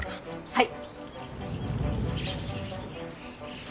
はい！